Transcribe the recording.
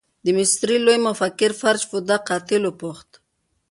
د مصري لوی مفکر فرج فوده قاتل وپوښت.